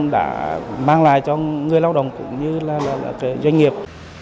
đã mang lại cho người lao động cũng như là doanh nghiệp